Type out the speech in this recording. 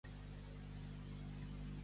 Qui encapçala Esquerra Republicana?